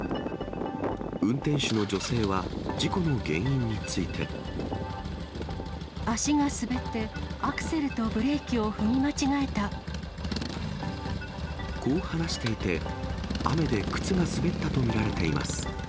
運転手の女性は、足が滑って、アクセルとブレこう話していて、雨で靴が滑ったと見られています。